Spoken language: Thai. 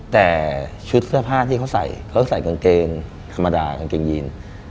แต่ชุดเสื้อผ้าที่เขาใส่เขาใส่กางเกงธรรมดากางเกงยีน